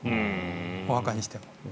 お墓にしても。